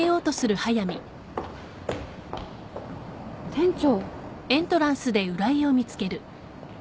店長。